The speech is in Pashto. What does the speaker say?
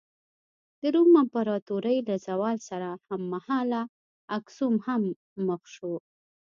د روم امپراتورۍ له زوال سره هممهاله اکسوم هم مخ شو.